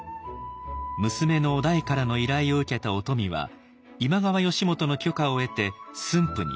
娘の於大からの依頼を受けた於富は今川義元の許可を得て駿府に移動。